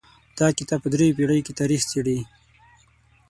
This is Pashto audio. دا کتاب په درې پېړیو کې تاریخ څیړي.